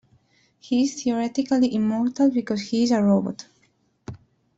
He is theoretically immortal, because he is a robot.